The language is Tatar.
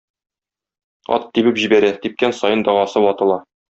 Ат тибеп җибәрә, типкән саен дагасы ватыла.